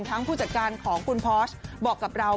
ผู้จัดการของคุณพอร์ชบอกกับเรา